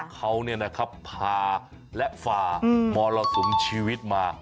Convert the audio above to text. เขาเนี่ยนะครับพาและฝ่ามรสมชีวิตมา